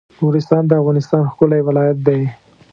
نورستان د افغانستان ښکلی ولایت دی